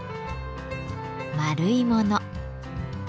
円いもの。